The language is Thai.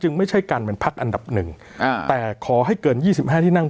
ไม่ใช่การเป็นพักอันดับหนึ่งแต่ขอให้เกิน๒๕ที่นั่ง